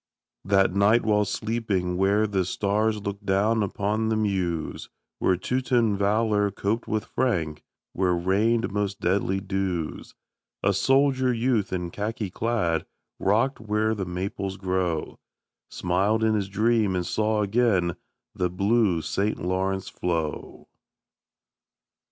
That night while sleeping where the stars Look down upon the Meuse, Where Teuton valor coped with Frank, Where rained most deadly dews, A soldier youth in khaki clad, Rock'd where the Maples grow, Smiled in his dream and saw again The blue St. Lawrence flow.